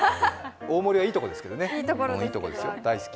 大森はいいとこですけどね、大好き。